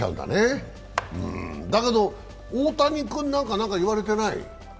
だけど、大谷君なんかなんか言われてない？